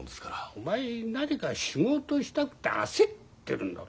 お前何か仕事したくて焦ってるんだろ。